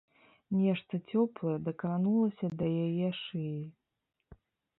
Нешта цёплае дакранулася да яе шыі.